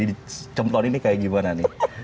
jadi cemplon ini kayak gimana nih